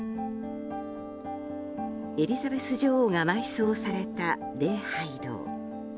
エリザベス女王が埋葬された礼拝堂。